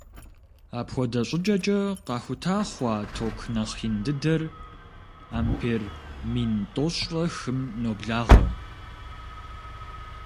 Апхуэдэ щӏыкӏэкӏэ къахута хъуа ток нэхъ ин дыдэр ампер мин тӏощӏрэ хым ноблагъэ.